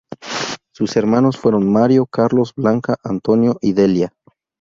Sus hermanos fueron Mario, Carlos, Blanca, Antonio y Delia.